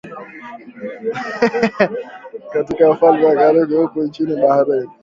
katika ufalme wa karibu huko nchini Bahrain